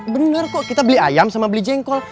benar kok kita beli ayam sama beli jengkol